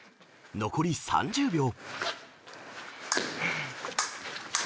［残り３０秒］